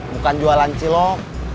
bukan jualan cilok